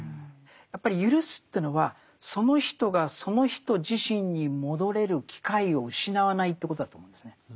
やっぱりゆるすというのはその人がその人自身に戻れる機会を失わないということだと思うんですね。